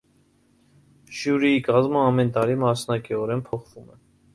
Ժյուրիի կազմը ամեն տարի մասնակիորեն փոխվում է։